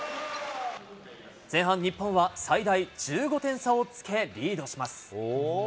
前半、日本は最大１５点差をつけ、リードします。